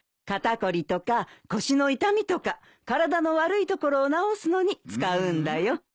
肩凝りとか腰の痛みとか体の悪いところを治すのに使うんだよ。